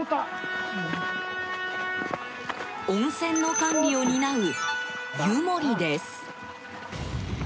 温泉の管理を担う、湯守です。